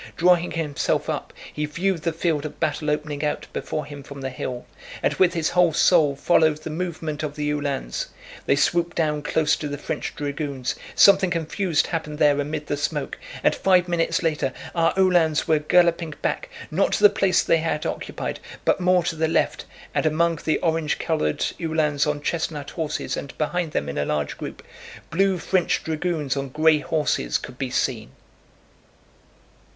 Drawing himself up, he viewed the field of battle opening out before him from the hill, and with his whole soul followed the movement of the Uhlans. They swooped down close to the French dragoons, something confused happened there amid the smoke, and five minutes later our Uhlans were galloping back, not to the place they had occupied but more to the left, and among the orange colored Uhlans on chestnut horses and behind them, in a large group, blue French dragoons on gray horses could be seen.